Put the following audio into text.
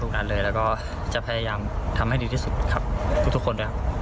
นั้นเลยแล้วก็จะพยายามทำให้ดีที่สุดครับทุกคนด้วยครับ